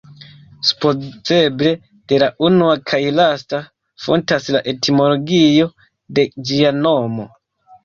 Supozeble de la unua kaj lasta fontas la etimologio de ĝia nomo.